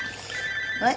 はい？